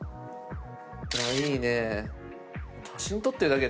いいね。